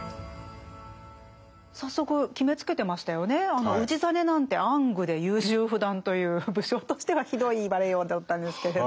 あの氏真なんて暗愚で優柔不断という武将としてはひどい言われようだったんですけれど。